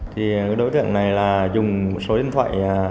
thì cái đối tượng này là dùng một số điện thoại